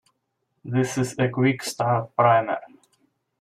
This is a quick start primer.